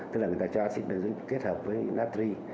tức là người ta cho acid benzoic kết hợp với natri